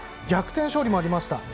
逆転勝利もありました。